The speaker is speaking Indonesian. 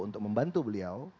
untuk membantu beliau